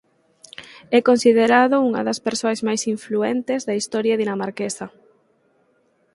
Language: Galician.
É considerado unha das persoas máis influentes da historia dinamarquesa.